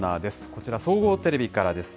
こちら、総合テレビからです。